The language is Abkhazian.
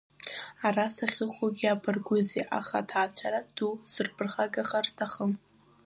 Ара сахьыҟоугьы иабаргәызеи, аха аҭаацәара дууп, сырԥырхагахар сҭахым.